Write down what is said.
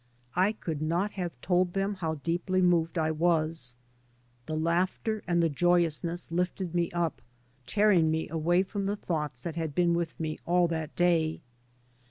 I could not have told them how deeply moved I was. The laughter and the joyousness lifted me up, tearing me away from the thoughts that had been with me all that day.